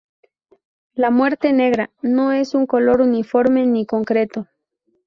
La "muerte-negra" no es un color uniforme ni concreto.